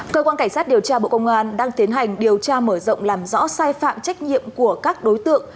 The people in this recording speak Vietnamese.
cơ quan cảnh sát điều tra bộ công an đang tiến hành điều tra mở rộng làm rõ sai phạm trách nhiệm của các đối tượng